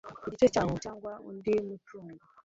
igice cyawo cyangwa undi mutungo